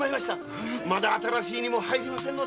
まだ新しい荷も入りませんので。